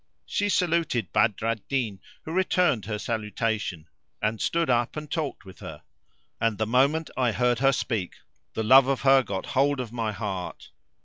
She saluted Badr al Din who returned her salutation and stood up, and talked with her; and the moment I heard her speak, the love of her got hold of my heart.